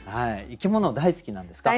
生き物大好きなんですか？